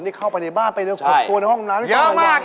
ไปเข้าไปในบ้านไปเลยจบตัวในห้องน้ำนี่ต้องมากบ่าว